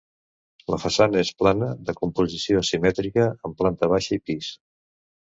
La façana és plana de composició asimètrica, amb planta baixa i pis.